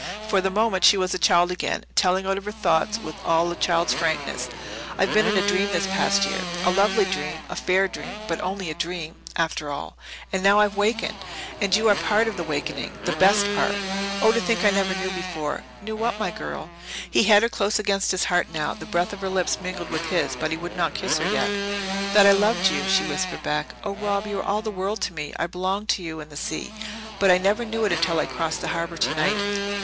For the moment she was a child again, telling out her thoughts with all a child's frankness. "I've been in a dream this past year a lovely dream a fair dream, but only a dream, after all. And now I've wakened. And you are part of the wakening the best part! Oh, to think I never knew before!" "Knew what, my girl?" He had her close against his heart now; the breath of her lips mingled with his, but he would not kiss her yet. "That I loved you," she whispered back. "Oh, Rob, you are all the world to me. I belong to you and the sea. But I never knew it until I crossed the harbour tonight.